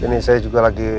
ini saya juga lagi